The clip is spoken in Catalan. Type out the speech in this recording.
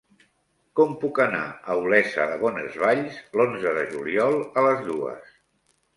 Com puc anar a Olesa de Bonesvalls l'onze de juliol a les dues?